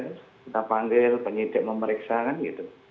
kita panggil penyidik memeriksa kan gitu